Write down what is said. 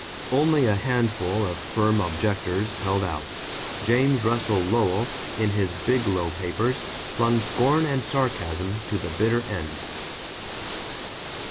Only a handful of firm objectors held out. James Russell Lowell, in his Biglow Papers, flung scorn and sarcasm to the bitter end.